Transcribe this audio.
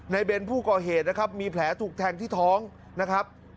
เบนผู้ก่อเหตุนะครับมีแผลถูกแทงที่ท้องนะครับ